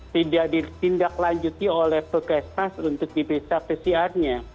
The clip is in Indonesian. tidak ditindaklanjuti oleh pekesma untuk memeriksa pcr nya